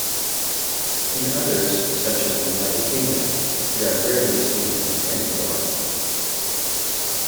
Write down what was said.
In others, such as the United Kingdom, they are rarely seen in any form.